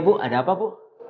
pernah zaman baru earth dan